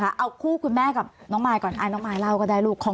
เอาคู่คุณแม่กับน้องมายก่อนน้องมายเล่าก็ได้ลูก